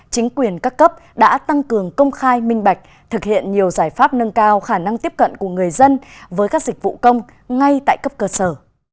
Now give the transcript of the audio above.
chính quyền các cấp đã tăng cường công khai minh bạch thực hiện nhiều giải pháp nâng cao khả năng tiếp cận của người dân với các dịch vụ công ngay tại cấp cơ sở